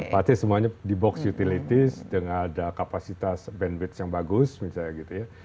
pasti semuanya di box utilities dengan ada kapasitas bandwidth yang bagus misalnya gitu ya